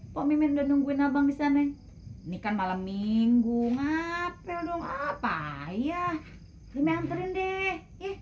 pak mimin udah nungguin abang di sana ini kan malam minggu ngapel dong apa ya ini anterin deh